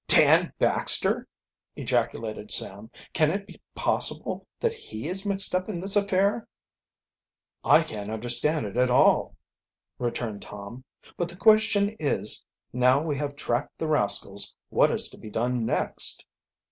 "Dan Baxter!" ejaculated Sam. "Can it be possible that he is mixed up in this affair?" "I can't understand it at all," returned Tom. "But the question is, now we have tracked the rascals, what is to be done next?"